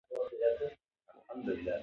نوم د شي نیمه برخه بیانوي.